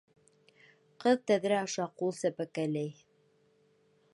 Ҡыҙ тәҙрә аша ҡул сәпәкәләй.